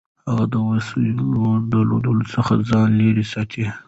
هغه د وسلهوالو ډلو څخه ځان لېرې ساتي.